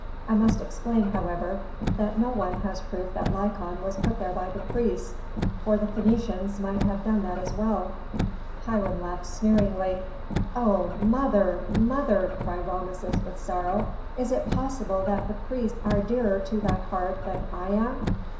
I must explain, however, that no one has proof that Lykon was put there by the priests, for the Phœnicians might have done that as well." Hiram laughed sneeringly. "O mother, mother!" cried Rameses, with sorrow. "Is it possible that the priests are dearer to thy heart than I am?"